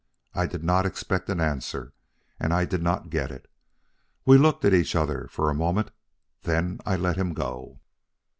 I did not expect an answer, and I did not get it. We looked at each other for a moment, then I let him go."